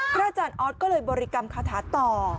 อาจารย์ออสก็เลยบริกรรมคาถาต่อ